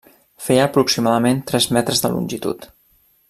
Feia aproximadament tres metres de longitud.